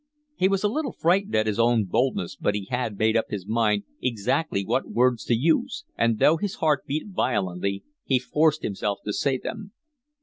He was a little frightened at his own boldness, but he had made up his mind exactly what words to use, and, though his heart beat violently, he forced himself to say them.